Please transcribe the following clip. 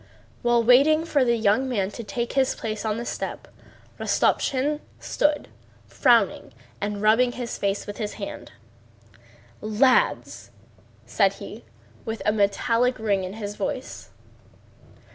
While waiting for the young man to take his place on the step Rostopchín stood frowning and rubbing his face with his hand. "Lads!" said he, with a metallic ring in his voice.